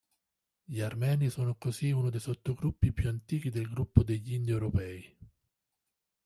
Gli Armeni sono così uno dei sottogruppi più antichi del gruppo degli Indoeuropei.